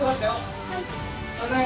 はい。